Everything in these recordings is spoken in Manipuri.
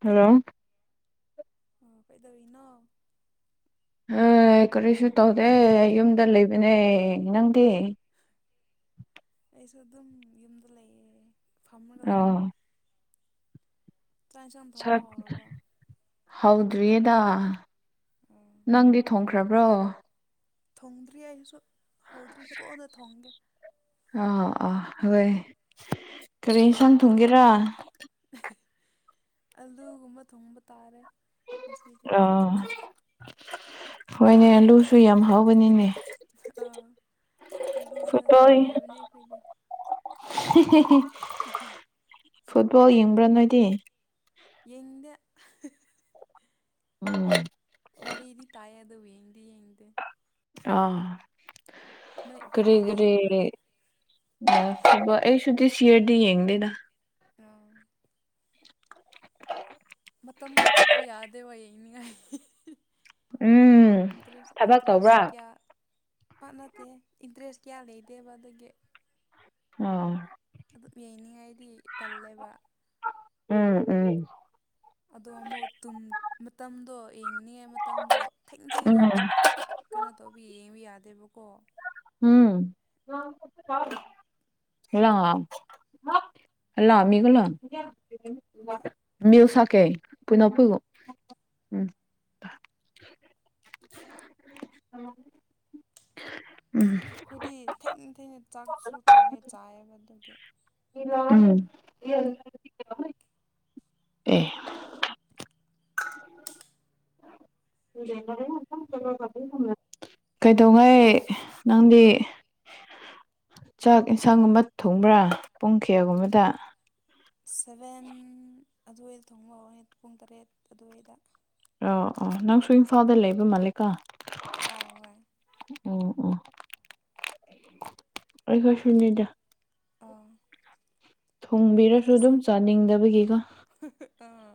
ꯍꯜꯂꯣ ꯑꯣ ꯀꯣꯏꯗꯧꯔꯤꯅꯣ ꯍ ꯀꯔꯤꯁꯨ ꯇꯧꯗꯦ ꯌꯨꯝꯗ ꯂꯩꯕꯅꯦ ꯅꯪꯗꯤ ꯎ ꯑꯩꯁꯨ ꯑꯗꯨꯝ ꯌꯨꯝꯗ ꯂꯩꯌꯦ ꯐꯝꯃꯒ ꯑꯣ ꯂꯩ ꯆꯥꯛ ꯌꯦꯟꯁꯥꯡ ꯊꯣꯡꯕ ꯍꯧꯔꯕꯣ ꯍꯧꯗ꯭ꯔꯤꯌꯦꯗ ꯑꯣ ꯅꯪꯗꯤ ꯊꯣꯡꯈ꯭ꯔ ꯐꯠꯇ꯭ꯔꯕ꯭ꯔꯣ ꯊꯣꯡꯗ꯭ꯔꯤ ꯑꯩꯁꯨꯣ ꯍꯥꯎꯗ꯭ꯔꯤ ꯀꯣꯟꯗ ꯊꯣꯦ ꯑꯥ ꯑꯥ ꯍꯣꯏ ꯀꯔꯤ ꯏꯟꯁꯥꯡ ꯊꯨꯡꯒꯦꯔꯥ ꯑꯂꯨꯒꯨꯝꯕ ꯊꯣꯡꯕ ꯇꯥꯔꯦ ꯉꯁꯤꯗꯤ ꯑ ꯍꯣꯏꯅꯦ ꯑꯂꯨꯁꯨ ꯌꯥꯝ ꯍꯥꯎꯕꯅꯤꯅꯦ ꯑꯥ ꯑꯂꯨ ꯐꯨꯠꯕꯣꯜ ꯍꯤꯡꯉꯤꯕꯅꯦ ꯑꯩꯈꯣꯏꯗꯤ꯫ [unintelligible] [unintelligible] ꯐꯨꯠꯕꯣꯜ ꯌꯦꯡꯕ꯭ꯔꯥ ꯅꯣꯏꯗꯤ? ꯌꯦꯡꯗꯦ ꯎꯝ꯫ ꯗꯨ ꯕꯨ ꯌꯦꯡꯗꯤ ꯌꯦꯡꯗꯦ [unintelligible] ꯅꯣꯏ ꯅꯣꯏꯗꯤ ꯌꯦꯡꯕ꯭ꯔꯥ? ꯑꯩꯁꯨꯤ ꯗꯤꯁ ꯏꯌꯔꯗꯤ ꯌꯦꯡꯗꯦ ꯗ꯫ ꯑꯥ ꯃꯇꯝ ꯀꯥꯏꯊꯣꯛꯄ ꯌꯥꯗꯦ ꯋꯥ ꯌꯦꯡꯅꯤꯡꯉꯥꯏ ꯎꯝ ꯏꯟꯇꯔꯦꯁ ꯊꯕꯛ ꯏꯟꯇꯔꯦꯁ ꯇꯧꯕ꯭ꯔꯥ ꯀꯌꯥ ꯋꯥꯥꯟꯅ ꯏꯟꯇꯔꯦꯁ ꯀꯌꯥ ꯂꯩꯗꯦꯕ ꯗꯨꯒꯤ ꯑꯥ ꯑꯗꯨꯝ ꯌꯩꯅꯤꯡꯉꯥꯏꯗꯤ ꯇꯜꯂꯦꯕ꯫ ꯎꯝ ꯎꯝ꯫ ꯑꯗꯣ ꯑꯃꯨꯛ ꯇꯨꯝ ꯃꯇꯝꯗꯣ ꯌꯦꯡꯅꯤꯡꯉꯥꯏ ꯃꯇꯝꯗꯣ ꯊꯦꯡꯅ - ꯎꯝ ꯊꯦꯡꯅ ꯀꯩꯅꯣ ꯇꯧꯕꯤ ꯌꯦꯡꯕ ꯌꯥꯗꯦꯕꯀꯣ꯫ ꯎꯝ꯫ [unintelligible] ꯃꯤꯜ ꯁꯀꯦ ꯀꯣꯏꯅꯣ ꯄꯩꯒꯣ ꯎꯝ [inaudible] [unintelligible] ꯑꯩꯈꯣꯏꯗꯤ ꯊꯦꯡ - ꯊꯦꯡꯅ ꯆꯥꯛꯁꯨ ꯊꯣꯡꯉ ꯆꯥꯏ ꯑꯕ ꯑꯗꯨꯒꯤ ꯎꯝ [unintelligible] ꯑꯦ [unintelligible] [unintelligible] ꯀꯩꯗꯧꯉꯩ ꯅꯪꯗꯤ [inaudible] ꯆꯥꯛ ꯌꯦꯟꯁꯥꯡꯒꯨꯝꯕ ꯊꯣꯡꯕ꯭ꯔꯥ ꯄꯨꯡ ꯀꯌꯥꯒꯨꯝꯕꯗ? ꯁꯚꯦꯟ ꯑꯗꯨꯋꯥꯏꯗ ꯊꯣꯡꯕ ꯍꯧꯋꯤ ꯄꯨꯡ ꯇꯔꯦꯠ ꯑꯗꯨꯋꯥꯏꯗ꯫ ꯑ ꯑꯣ ꯅꯪꯁꯨ ꯏꯝꯐꯥꯜꯗ ꯂꯩꯕ ꯃꯥꯂꯤ ꯀꯣ ꯑꯥ ꯍꯣꯏ ꯫ ꯎꯝ ꯎꯝ꯫ ꯑꯩ ꯈꯣꯏ ꯁꯨꯅꯤꯗ ꯑꯣ ꯊꯣꯡꯕꯤꯔꯁꯨ ꯑꯗꯨꯝ ꯆꯥꯅꯤꯡꯗꯕꯒꯤ ꯀꯣ ꯑꯥ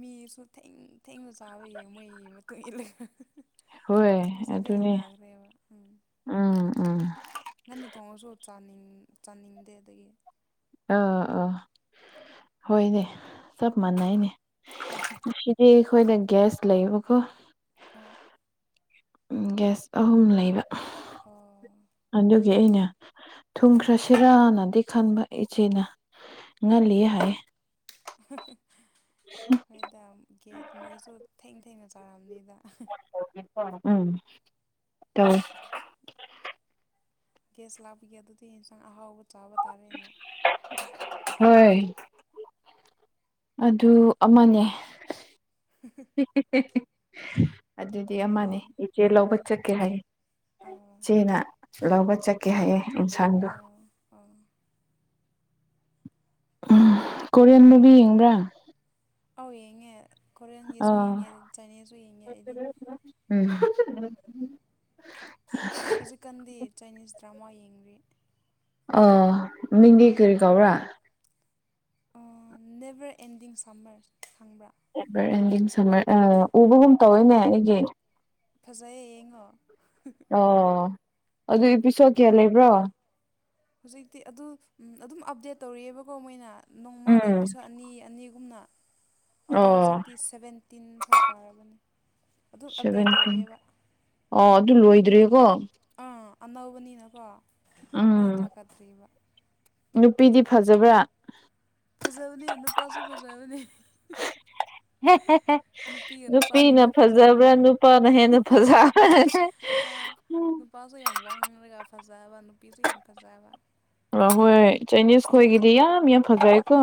ꯃꯤꯁꯨ ꯊꯦꯡ- ꯊꯦꯡꯅ ꯆꯥꯕꯒꯤ ꯃꯣꯏꯒꯤ ꯃꯇꯨꯡ ꯏꯜꯂ ꯍꯣꯏ ꯍꯧꯖꯤꯛꯇꯤ ꯑꯗꯨꯅꯦ ꯍꯩꯅꯈ꯭ꯔꯦꯕ ꯎꯝ ꯎꯝ ꯎꯝ ꯉꯟꯅ ꯊꯣꯡꯉꯁꯨ ꯆꯥꯅꯤꯡ ꯆꯥꯅꯤꯡꯗꯦ ꯑꯗꯨꯒꯤ ꯑ ꯑ ꯍꯣꯏꯅꯦ ꯆꯞ ꯃꯅꯩ ꯅꯦ꯫ ꯉꯁꯤꯗꯤ ꯑꯩꯈꯣꯏꯗꯥ ꯒꯤꯌꯥꯁ ꯂꯩꯕꯥꯀꯣ ꯑꯣ ꯎ ꯒꯦꯁ ꯑꯍꯨꯝ ꯂꯩꯕ ꯑꯣ ꯑꯩꯅ ꯊꯨꯝꯈ꯭ꯔꯁꯤꯔꯥꯅꯗꯤ ꯈꯟꯕ ꯏꯆꯦꯅ ꯉꯜꯂꯤ ꯍꯥꯏꯌꯦ ꯍꯣꯏꯗ ꯒꯦꯠ ꯃꯣꯏꯁꯨ ꯊꯦꯡꯅ - ꯊꯦꯡꯅ ꯆꯥꯔꯝꯅꯤꯗ꯫ [unintelligible] ꯎꯝ ꯇ ꯒꯦꯁ ꯂꯥꯛꯄꯒꯤ ꯑꯗꯨꯗꯤ ꯌꯦꯟꯁꯥꯡ ꯑꯍꯥꯎꯕ ꯆꯥꯕ ꯇꯥꯔꯦꯅꯦ꯫ ꯍꯣꯏ ꯑꯗꯨ ꯑꯃꯅꯦ ꯑꯗꯨꯗꯤ ꯑꯃꯅꯤ ꯅꯨꯡꯉꯥꯏ ꯏꯆꯦ ꯂꯧꯕ ꯎꯝ ꯆꯠꯀꯦ ꯍꯥꯏꯌꯦ ꯑꯧ ꯏꯆꯦꯅ ꯂꯧꯕ ꯆꯠꯀꯦ ꯍꯥꯏꯌꯦ ꯏꯟꯁꯥꯡꯗꯣ ꯑꯧ ꯑꯧ ꯎꯝ ꯀꯣꯔꯤꯌꯥꯟ ꯃꯨꯚꯤ ꯌꯦꯡꯕ꯭ꯔꯥ ꯑꯧ ꯌꯦꯡꯉꯦ ꯀꯣꯔꯤꯌꯟꯒꯤꯁꯨ ꯑꯥ ꯌꯦꯡꯉꯦ ꯆꯥꯏꯅꯤꯁꯁꯨ ꯌꯦꯡꯉꯦ ꯑꯩꯗꯤ [inaudible] ꯍꯧꯖꯤꯛꯀꯥꯟꯗꯤ ꯆꯥꯏꯅꯤꯁ ꯗ꯭ꯔꯃꯥ ꯌꯦꯡꯔꯤ ꯑ ꯃꯤꯡꯗꯤ ꯀꯔꯤ ꯀꯥꯎꯔꯥ ꯅꯦꯕꯔ ꯑꯦꯟꯗꯤꯡ ꯁꯝꯃꯔ ꯈꯪꯕ꯭ꯔꯥ ꯔ ꯁꯃꯔ ꯑ [unintelligible] ꯎꯕꯒꯨꯝ ꯇꯧꯋꯤꯅꯦ ꯑꯩꯒꯤ ꯐꯖꯩꯌꯦ ꯌꯦꯡꯉꯣ ꯑꯣ ꯑꯗꯨ ꯄꯤꯁꯣ ꯀꯌꯥ ꯂꯩꯕ꯭ꯔꯣ ꯍꯧꯖꯤꯛꯇꯤ ꯑꯗꯨ ꯑꯗꯨꯝ ꯑꯞꯗꯦꯠ ꯇꯧꯔꯤꯑꯦꯕꯀꯣ ꯃꯣꯏꯅ ꯅꯣꯡꯃꯥꯗ ꯎꯝ ꯏꯄꯤꯁꯣꯠ ꯑꯅꯤ ꯑꯅꯤꯒ ꯒꯨꯝꯅ ꯑꯗꯣ ꯑꯣ ꯍꯧꯖꯤꯛꯇꯤ ꯁꯕꯦꯟꯇꯤꯟ ꯐꯥꯎ ꯀꯥꯔꯕꯅꯤ ꯁꯚꯦꯟꯇꯤꯟ ꯑꯣ ꯑꯗꯨ ꯂꯣꯏꯗ꯭ꯔꯔꯤꯀꯣ ꯑꯥ ꯑꯅꯧꯕꯅꯤꯅꯀꯣ ꯂꯣꯏꯅ ꯎꯝ ꯊꯥꯒꯠꯇ꯭ꯔꯤꯕ ꯅꯨꯄꯤꯗꯤ ꯐꯖꯕ꯭ꯔꯥ ꯐꯖꯕꯅꯤ ꯅꯨꯄꯥꯁꯨ ꯐꯖꯕꯅꯤ ꯅꯨꯄꯤꯅ ꯃꯥ ꯐꯖꯕ꯭ꯔꯥ ꯐꯖꯕꯒꯤ ꯅꯨꯄꯥꯅ ꯍꯦꯟꯅ ꯐꯖꯕ꯭ꯔꯥ ꯎꯝ ꯅꯨꯄꯥꯁꯨ ꯌꯥꯝ ꯋꯥꯡꯉꯒ ꯐꯖꯕ ꯅꯨꯄꯤꯁꯨ ꯌꯥꯝ ꯐꯖꯕ ꯑ ꯍꯣꯏ ꯆꯥꯏꯅꯤꯁ ꯏꯁꯇꯣꯔꯤ ꯈꯣꯏꯒꯤꯗꯤ ꯌꯥꯝ ꯌꯥꯝ ꯐꯖꯔꯦꯀꯣ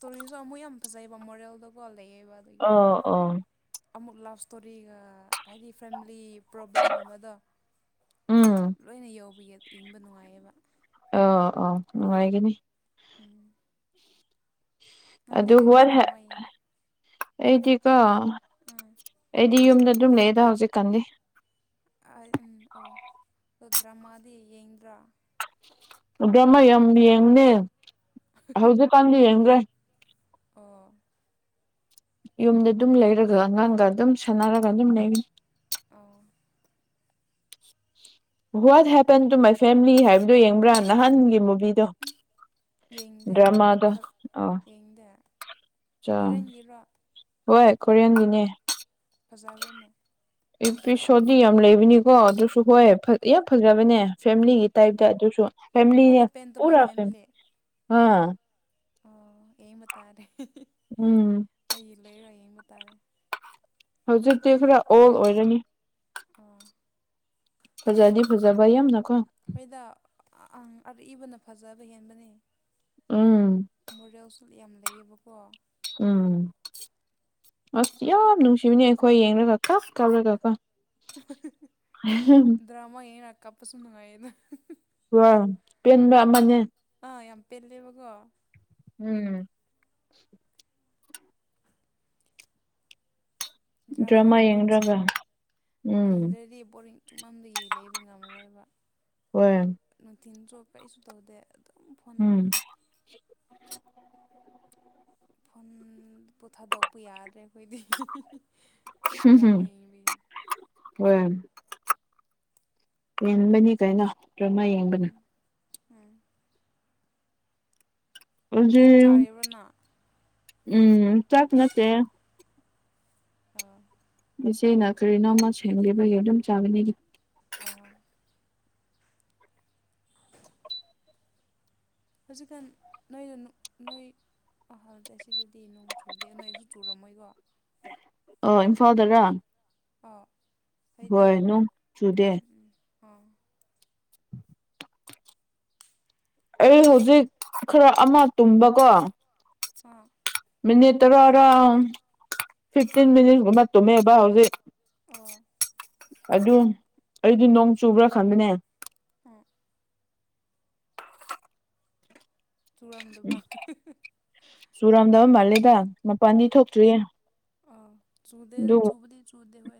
ꯇꯣꯔꯤꯁꯨ ꯑꯃꯨꯛ ꯌꯥꯝ ꯐꯖꯩꯑꯕ ꯃꯣꯔꯦꯜꯗꯀꯣꯜ ꯑ ꯑ ꯑꯃꯨꯛ ꯂꯞ ꯏꯁꯇꯣꯔꯤꯒ ꯍꯥꯏꯗꯤ ꯐꯦꯃꯤꯂꯤ ꯄ꯭ꯔꯣꯕ꯭ꯂꯦꯝꯒꯕꯗꯣ ꯎꯝ ꯂꯣꯏꯅ ꯌ ꯏꯪꯕ ꯅꯨꯡꯉꯥꯏꯌꯦꯕ ꯑ ꯑ ꯅꯨꯡꯉꯥꯏꯒꯅꯤ ꯎꯝ ꯃꯥꯟꯗꯤ ꯑꯗꯨ ꯀꯀꯦ ꯋꯥꯠ ꯗꯔꯃꯥꯏ ꯑꯩꯗꯤꯀꯣ ꯑꯩꯗꯤ ꯌꯨꯝꯗ ꯑꯗꯨꯝ ꯂꯩꯑꯦꯗ ꯍꯧꯖꯤꯛꯀꯥꯟꯗꯤ ꯑꯩ ꯎꯝ ꯑꯣ ꯑ ꯗ꯭ꯔꯃꯥꯗꯤ ꯌꯦꯡꯗ꯭ꯔꯥ ꯗ꯭ꯔꯃꯥ ꯌꯥꯝ ꯌꯦꯡꯅꯦ ꯍꯧꯖꯤꯛꯀꯥꯟꯗꯤ ꯌꯦꯡꯗ꯭ꯔꯦ ꯑꯣ ꯌꯨꯝꯗ ꯑꯗꯨꯝ ꯂꯩꯔꯒ ꯑꯉꯥꯡꯒ ꯑꯗꯨꯝ ꯁꯥꯟꯅꯔꯒ ꯑꯗꯨꯝ ꯂꯩꯔꯤ uh what happen to my family ꯍꯥꯏꯕꯗꯨꯣ ꯌꯦꯡꯕ꯭ꯔꯥ ꯅꯍꯥꯟꯒꯤ ꯃꯨꯚꯤꯗꯣ ꯌꯦꯡꯗꯦ ꯗ꯭ꯔꯃꯥꯗꯣ ꯑ ꯌꯦꯡꯗꯦ ꯆꯥ ꯀꯣꯔꯦꯟꯒꯤꯔꯣ ꯍꯣꯏ ꯀꯣꯔꯤꯌꯥꯟꯒꯤꯅꯦ ꯐꯖꯥꯕꯅꯦ ꯏ ꯄ ꯁꯣꯗꯤ ꯌꯥꯝ ꯂꯩꯕꯤꯅꯤ ꯀꯣ ꯑꯗꯨ ꯍꯣꯏ ꯑꯣ ꯌꯥꯝ ꯐꯖ꯭ꯔꯕꯅꯦ ꯐꯦꯃꯤꯂꯤꯒꯤ ꯑꯣ ꯇꯥꯏꯞꯇ ꯑꯗꯨꯁꯨ ꯍꯣꯠ ꯐꯦꯂꯤꯅꯦ ꯍꯦꯄꯦꯟ ꯇꯨ ꯃꯥꯏ ꯄꯨꯔꯥ [inaudible] ꯑꯝ ꯑꯣ ꯌꯦꯡꯕ ꯇꯥꯔꯦ ꯎꯝ ꯑꯩ ꯂꯩꯑꯣꯏꯔꯣꯏ ꯌꯦꯡꯕ ꯉꯇꯥꯔꯦ ꯍꯧꯖꯤꯛꯇꯤ ꯈꯔ ꯑꯣꯜ ꯑꯣꯏꯔꯅꯤ ꯑꯣ ꯐꯖꯗꯤ ꯐꯖꯕ ꯌꯥꯝꯅꯀꯣ ꯍꯣꯏꯗ ꯑ ꯏꯕꯅ ꯐꯖꯕ ꯍꯦꯟꯕꯅꯦ ꯎꯝ ꯃꯣꯔꯦꯜꯁꯨ ꯌꯥꯝ ꯂꯩꯌꯦꯕꯀꯣ ꯎꯝ ꯑꯁ ꯌꯥꯝ ꯅꯨꯡꯁꯤꯕꯅꯦ ꯑꯩꯈꯣꯏ ꯌꯦꯡꯂꯡꯒꯀ ꯀꯞꯂꯒꯀ ꯗ꯭ꯔꯃꯥ ꯌꯦꯅꯀꯥꯞꯄꯁꯨꯟꯑꯗ ꯋꯥ ꯄꯦꯟꯕ ꯑꯃꯅꯦ ꯑ ꯌꯥꯝꯦꯝ ꯄꯦꯂꯦꯕꯒꯣ ꯎꯝ ꯗ꯭ꯔꯃꯥ ꯗ꯭ꯔꯃꯥꯅ ꯄꯨꯟꯁꯤ ꯌꯦꯡꯗ꯭ꯔꯒ ꯎꯝ ꯌꯦꯡꯗ꯭ꯔꯗꯤ ꯕꯣꯔꯤꯡ ꯇꯨꯞꯃꯝꯗꯒꯤ ꯂꯩꯕ ꯉꯝꯃꯔꯣꯏꯕ ꯑꯣꯏꯌꯦ ꯊꯤꯟ ꯆꯣꯄ ꯀꯁꯨ ꯇꯧꯗꯦ ꯑꯗꯨꯝ ꯐꯣꯟ ꯎꯝ ꯐꯣꯟ ꯄ ꯊꯥꯗꯣꯛꯄ ꯌꯥꯗ꯭ꯔꯦ ꯑꯣꯏꯈꯣꯏꯗꯤ ꯍꯝ ꯗ꯭ꯔꯃꯥꯒꯤꯕꯤ ꯌꯦꯦꯟꯕꯅꯤ ꯀꯩꯅꯣ ꯗ꯭ꯔꯃꯥ ꯌꯦꯡꯕꯅꯤ ꯎꯝ ꯎꯝ ꯆꯥꯛ ꯍꯧꯖꯤꯛ ꯆꯥꯔꯤꯕ꯭ꯔꯅ ꯎꯝ ꯆꯥꯛ ꯅꯠꯇꯦ ꯑꯣ ꯏꯆꯦꯅ ꯀꯔꯤꯅꯣꯝꯃ ꯁꯦꯝꯈꯤꯕꯒꯤ ꯑꯗꯨꯝ ꯆꯥꯕꯅꯤ ꯑ ꯍꯧꯖꯤꯀꯥꯟ ꯅꯣꯏꯗ ꯅꯣꯏ ꯑꯍꯗꯦ ꯑꯁꯤꯗꯗꯤ ꯅꯣꯡ ꯆꯨꯗꯦ ꯅꯣꯏꯁꯨ ꯆꯨꯔꯝꯃꯣꯏꯀꯣ ꯑ ꯏꯝꯐꯥꯜꯗꯔ ꯑꯣ ꯍꯣꯏꯅꯅꯨꯡ ꯆꯨꯗꯦ ꯎꯝ ꯑꯩ ꯍꯧꯖꯤꯛ ꯈꯔ ꯑꯃ ꯇꯨꯝꯕꯀꯣ ꯑ ꯃꯤꯅꯤꯠ ꯇꯔꯥꯔꯥꯎ ꯐꯤꯐꯇꯤꯟ ꯃꯤꯅꯤꯠꯀꯨꯝꯕ ꯇꯨꯝꯃꯦꯕ ꯍꯧꯖꯤꯛ ꯑꯣ ꯑꯗꯨ ꯑꯩꯗꯤ ꯅꯣꯡ ꯆꯨꯕ꯭ꯔꯥ ꯈꯟꯕꯅꯦ ꯍ ꯆꯨꯔꯝꯗꯕ ꯆꯨꯔꯝꯗꯕ ꯃꯥꯜꯂꯦꯗ ꯃꯄꯥꯟꯗꯤ ꯊꯣꯛꯇ꯭ꯔꯤꯌꯦ ꯆꯨ ꯆꯨꯕꯂꯤ ꯆꯨꯗ ꯍ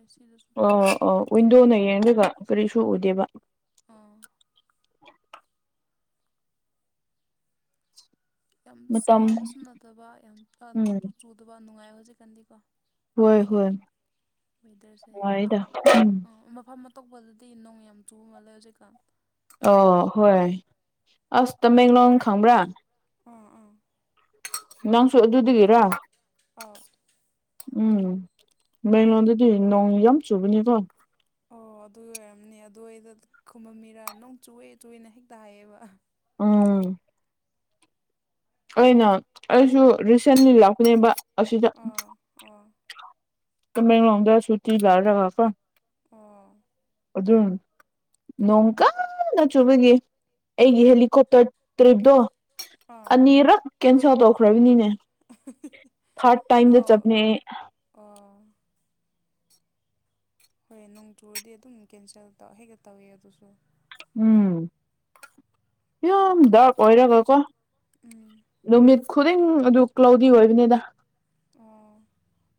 ꯑ ꯑ ꯋꯤꯟꯗꯣꯅ ꯌꯦꯡꯒ ꯀꯔꯤꯁꯨ ꯑꯣꯏꯗꯦꯕ ꯑꯥ ꯌꯥꯝ ꯃꯇꯝ ꯆꯥꯕꯁꯨ ꯅꯗꯕ ꯌꯥꯝ ꯎꯝ ꯅꯨꯡꯁꯨ ꯆꯨꯗꯕ ꯅꯨꯡꯉꯥꯏ ꯍꯧꯖꯤꯛꯀꯥꯟꯗꯤꯀꯣ ꯍꯣꯏ ꯍꯣꯏ ꯋꯦꯗꯔꯁꯦ ꯑꯗꯨꯝ ꯅꯨꯡꯉꯥꯏꯗ ꯎꯝ ꯃꯐꯝ ꯑꯇꯣꯞꯄꯗꯗꯤ ꯅꯣꯡ ꯌꯥꯝ ꯆꯨꯕ ꯃꯥꯜꯂꯦ ꯍꯧꯖꯤꯛꯀꯥꯟ ꯑꯣ ꯍꯣꯏ ꯑꯁ ꯇꯃꯦꯦꯡꯡꯂꯣꯡ ꯈꯪꯕ꯭ꯔꯥ ꯑꯥ ꯑꯥ ꯅꯪꯁꯨ ꯑꯗꯨ ꯑꯗꯨꯗꯨꯒꯤꯦꯔꯥ ꯑꯣ ꯎꯝ ꯕꯦꯡꯒꯂꯣꯔꯗꯗꯤ ꯅꯣꯡ ꯌꯥꯝ ꯆꯨꯕꯅꯤꯀꯣ ꯑꯣ ꯑꯗꯨ ꯑꯣꯏꯔꯝꯅꯤ ꯑꯗꯨꯏꯗ ꯈꯨꯃꯝ ꯃꯤꯔꯥ ꯅꯪ ꯆꯨꯑꯦ ꯆꯨꯅ ꯍꯦꯛꯇ ꯍꯥꯏꯌꯦꯕ ꯎꯝ ꯑꯩꯅ ꯑꯩꯁꯨ ꯔꯤꯁꯦꯟꯂꯤ ꯂꯥꯛꯀꯅꯦꯕ ꯑꯥ ꯑꯣ ꯀ ꯃ ꯑꯗ ꯁꯨꯇꯤ ꯂꯥꯔꯔ ꯀꯥꯀ ꯑꯣ ꯑꯗꯨꯖ ꯅꯣꯡ ꯀꯟꯅ ꯆꯨꯕꯒꯤ ꯑꯩꯒꯤ ꯍꯦꯂꯤꯀꯣꯞꯇꯔ ꯇꯔꯤꯞꯇꯣ ꯑꯥ ꯑꯅꯤꯔꯛ ꯀꯦꯟꯁꯦꯜ ꯇꯧꯈ꯭ꯔꯕꯅꯤꯅꯦ ꯊꯔꯗ ꯑꯧ ꯇꯥꯏꯝꯗꯅꯦ ꯑꯣ ꯍꯣꯏ ꯅꯣꯡ ꯇꯨꯔꯗꯤ ꯑꯗꯨꯝ ꯀꯦꯟꯁꯦꯜ ꯍꯦꯛꯒ ꯇꯧꯋꯤ ꯑꯗꯨꯁꯨ ꯎꯝ ꯀ ꯗꯔ ꯄꯩꯔꯒ ꯀꯣ ꯎꯝ ꯅꯨꯃꯤꯠ ꯈꯨꯗꯤꯡ ꯑꯗꯨ ꯀ꯭ꯂꯥꯎꯗꯤ ꯑꯣꯏꯕꯅꯤꯗ ꯑꯣ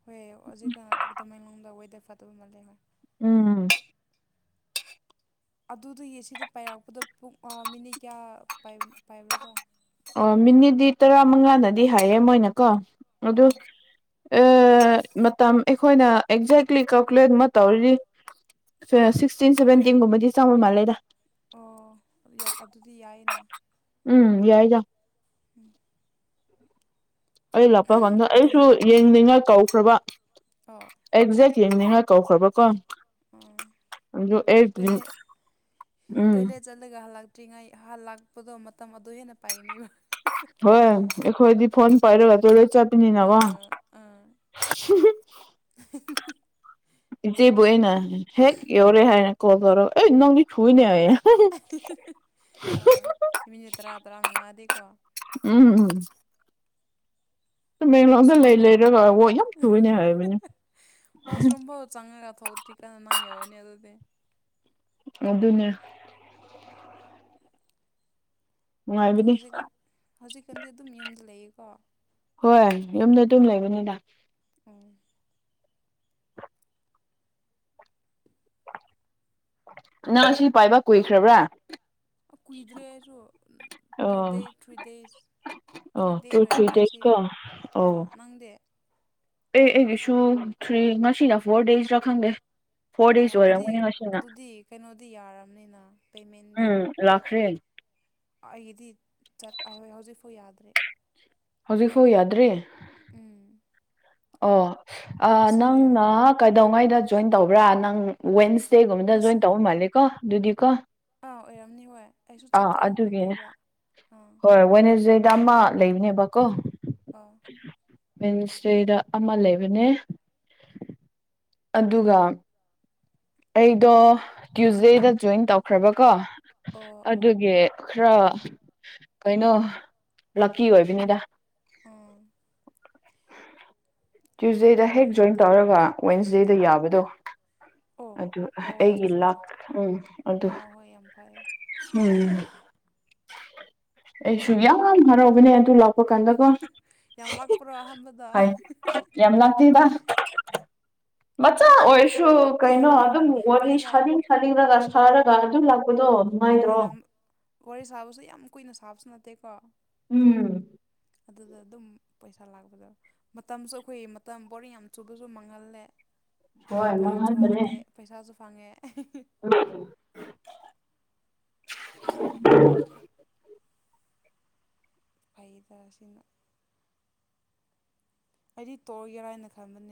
ꯍꯣꯏ ꯍꯧꯖꯤꯛ ꯇꯃꯡꯂꯣꯗ ꯋꯦꯗꯔ ꯐꯗꯕ ꯃꯥꯜꯂꯦ ꯍꯣꯏ ꯎꯝ ꯑꯗꯨ ꯌꯦ ꯁꯤꯗ ꯄꯥꯏꯔꯛꯄꯗ ꯄꯨꯡ ꯃꯤꯅꯤꯠ ꯀꯌꯥ ꯄꯥꯏꯕ꯭ꯔꯥꯒ ꯑꯣ ꯃꯤꯅꯤꯠꯗꯤ ꯇꯔꯥ ꯃꯉꯥꯗꯗꯤ ꯍꯥꯏꯌꯦꯦ ꯃꯣꯏꯅꯀꯣ ꯑꯗꯨ ꯑꯥ ꯃꯇꯝ ꯑꯩꯈꯣꯏꯅ ꯑꯦꯛꯖꯦꯛꯂꯤ ꯀꯜꯀꯨꯂꯦꯠ ꯑꯃ ꯇꯧꯔꯤꯔꯤ ꯁꯤꯛꯁꯇꯤꯟ ꯁꯚꯦꯟꯇꯤꯟꯒꯨꯝꯕꯗꯤ ꯆꯥꯎꯕ ꯃꯥꯜꯂꯦꯗ ꯑꯣ ꯑꯗꯨꯗꯤ ꯌꯥꯏꯌꯦꯅ ꯎꯝ ꯌꯥꯏꯗ ꯎꯝ ꯑꯩ ꯂꯥꯛꯄ ꯀꯥꯟꯗ ꯑꯩꯁꯨ ꯇꯣꯏꯂꯦꯠ ꯌꯦꯡꯅꯤꯡꯉ ꯀꯧꯈ꯭ꯔꯕ ꯑꯣ ꯑꯦꯛꯖꯦꯛ ꯊꯦꯡꯅꯤꯡꯉ ꯀꯧꯈ꯭ꯔꯕ ꯀꯣ ꯑꯥ ꯑꯦ ꯇꯣꯏꯂꯦꯠ ꯎꯝ ꯑꯔꯤꯉꯥꯏ ꯍꯥ ꯂꯥꯛꯄꯗꯣ ꯃꯇꯝ ꯑꯗꯨ ꯍꯦꯟꯅ ꯄꯥꯏꯒꯅꯤꯕ ꯍꯣꯏ ꯑꯩꯈꯣꯏꯗꯤ ꯐꯣꯟ ꯄꯥꯏꯔꯒꯔ ꯆꯥꯄꯤꯅꯤꯅ ꯋꯥ ꯑꯥ ꯑꯥ ꯆꯦꯕꯣꯣꯏꯅ ꯍꯦꯛ ꯌꯧꯔꯦ ꯍꯥꯏ ꯀꯣꯜ ꯀꯣꯔꯣ ꯑꯦ ꯏ ꯅꯅꯤ ꯊ ꯍꯨꯏꯅꯦ ꯍꯥꯏꯌꯦꯦ ꯑ ꯏꯃꯤ ꯂꯩ ꯇꯔꯥ ꯇꯔꯥ ꯃꯉꯥꯗꯦꯀꯣ ꯕꯦꯡꯒꯡꯂꯣꯡꯗ ꯂꯩ ꯋꯥꯁꯔꯨꯝꯐꯥꯎ ꯂꯩꯔꯒ ꯌꯥꯝ ꯆꯨꯅꯦ ꯍꯥꯏꯕꯅꯦ ꯋꯥꯁ ꯔꯨꯝꯝꯕ ꯆꯪꯉꯒ ꯍꯣꯇ꯭ꯔꯤ ꯀ ꯅꯪ ꯌꯎꯅꯦ ꯑꯗꯨꯗꯤ ꯑꯗꯨ ꯑꯗꯨꯅ ꯑꯣ ꯅꯨꯡꯉꯥꯏꯕꯅꯤ ꯍꯧꯖꯤꯛꯀꯥꯟ ꯍꯧꯖꯤꯛꯀꯥꯟꯗꯤ ꯑꯗꯨꯝ ꯌꯨꯝꯗ ꯂꯩꯌꯦꯀꯣ ꯍꯣꯏ ꯌꯨꯝꯗ ꯑꯗꯨꯝ ꯂꯩꯕꯅꯤꯅ ꯑ ꯅꯪ ꯁꯤ ꯄꯥꯏꯕ ꯀꯨꯏꯈ꯭ꯔꯕ꯭ꯔꯥ ꯀꯨꯏꯗ꯭ꯔꯦ ꯍꯥꯏꯁꯨ ꯇꯨ ꯗꯦꯁ ꯊ꯭ꯔꯤ ꯗꯦꯁ ꯑ ꯇꯨ ꯊꯦꯀ ꯑ ꯑꯥ ꯅꯪꯗꯤ ꯑꯦ ꯑꯩꯒꯤꯁꯨ ꯊ꯭ꯔꯤ ꯉꯁꯤꯅ ꯐꯣꯔ ꯗꯦꯖꯇ ꯈꯪꯗꯦ ꯐꯣꯔ ꯑꯣ ꯗꯦꯖ ꯑꯗꯨꯗꯤ ꯑꯣꯏꯔꯝꯒꯅꯤ ꯉꯁꯤꯅ ꯑꯗꯨꯗꯤ ꯀꯩꯅꯣꯗꯤ ꯌꯥꯔꯕꯅꯤꯅ ꯄꯦꯃꯦꯟꯗꯤ ꯎꯝ ꯂꯥꯛꯈ꯭ꯔꯦ ꯑꯩꯒꯤꯗꯤ ꯆꯠꯣꯏ ꯍꯧꯖꯤꯛꯐꯥꯎ ꯌꯥꯗ꯭ꯔꯦ ꯍꯧꯖꯤꯛ ꯐꯥꯎ ꯌꯥꯗ꯭ꯔꯔꯤ ꯎꯝ ꯑꯣ ꯉꯁꯤ ꯅꯪꯅ ꯌꯥꯔꯒꯦ ꯀꯩꯗꯧꯉꯥꯏꯗ ꯖꯣꯏꯟ ꯇꯧꯕ꯭ꯔꯥ ꯅꯪ ꯋꯦꯟꯁ ꯏꯁꯇꯦ ꯨꯝꯃꯗ ꯉꯁꯤ ꯖꯣꯏꯟ ꯇ ꯍꯝ ꯍꯥꯦꯀꯣ ꯗꯗꯨꯗꯤ ꯀ ꯑꯥ ꯑꯣꯏꯔꯝꯅꯤ ꯍꯣꯏ ꯑꯩꯁꯨ ꯆꯞ ꯑꯥ ꯆꯥꯅ ꯑꯗꯨꯒꯤꯅꯦ ꯈꯪꯗ꯭ꯔꯦꯕ ꯑꯥ ꯍꯣꯏ ꯋꯥꯦꯅꯦꯖꯦꯗ ꯑꯃ ꯂꯩꯕꯅꯦꯕꯀꯣ ꯑ ꯄꯦꯟꯁꯇꯦꯗ ꯑꯃ ꯂꯩꯕꯅꯦ ꯑꯗꯨꯒ ꯑꯩꯗꯣ ꯇ꯭ꯌꯨꯁꯗꯦꯗ ꯖꯣꯏꯟ ꯇꯧꯈ꯭ꯔꯕꯀꯣ ꯑꯣ ꯑꯣ ꯑꯗꯨꯒꯤ ꯈꯔ ꯀꯩꯅꯣ ꯂꯛꯀꯤ ꯑꯣꯏꯕꯅꯤꯗ ꯑꯥ ꯗꯥꯎ ꯇ꯭ꯌꯨꯁꯗꯦꯗ ꯐꯩꯌꯦ ꯍꯦꯛ ꯖꯣꯏꯟ ꯑꯗꯨꯗꯤ ꯇꯧꯔꯒ ꯋꯦꯟꯁꯗꯦꯗ ꯌꯥꯕꯗꯣ ꯑꯣ ꯑꯗꯨ ꯑꯣ ꯆꯣ ꯑꯩꯒꯤ ꯆꯣ ꯂꯥꯛ ꯆꯣ ꯎꯝ ꯑꯗꯨ ꯑꯣ ꯍꯣꯏ ꯌꯥꯝ ꯐꯔꯦ ꯎꯝ ꯑꯦꯁꯨꯨꯡ ꯌꯥꯝ ꯍꯔꯧꯕꯅꯦ ꯑꯗꯨ ꯂꯥꯛ ꯄꯀꯥꯟꯗꯀꯣ ꯌꯥꯝ ꯂꯥꯛꯄ꯭ꯔꯣ ꯑꯍꯥꯟꯕꯗ ꯍꯣꯏ ꯌꯥꯝ ꯂꯥꯛꯇꯦꯗ ꯃꯆꯥ ꯑꯣꯏꯔꯁꯨ ꯀꯩꯅꯣ ꯑꯗꯨꯝ ꯑꯣꯏ ꯍꯣꯏꯗ ꯁꯥꯗꯤꯡ ꯁꯥꯗꯤꯡꯗꯒ ꯊꯔꯒ ꯑꯗꯨ ꯂ ꯍꯣꯏꯗ ꯋꯥꯔꯤ ꯁꯥꯕꯁꯨ ꯌꯥꯝ ꯀꯨꯏꯅ ꯁꯥꯕꯁꯨ ꯅꯠꯇꯦꯀꯣ ꯎꯝ ꯑꯗꯨꯗ ꯑꯗꯨꯝ ꯄꯩꯁꯥ ꯂꯥꯛꯄꯗ ꯃꯇꯝꯁꯨ ꯑꯩꯈꯣꯏ ꯃꯇꯝ ꯕꯣꯔꯡ ꯌꯥꯝ ꯆꯨꯕꯁꯨ ꯃꯥꯡꯍꯜꯂꯦ ꯕꯣꯔꯤꯡ ꯆꯨꯍꯥꯟꯗ ꯄꯩꯁꯥꯁꯨ ꯐꯥꯡꯉꯦ ꯑ [unintelligible] ꯐꯩꯗ ꯑꯁꯤꯅ ꯑꯩꯗꯤ ꯇꯣꯔꯒꯦꯔꯥ ꯍꯥꯏꯅ ꯈꯟꯕꯅꯦ